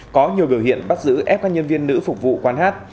có nhiều biểu hiện bắt giữ ép các nhân viên nữ phục vụ quán hát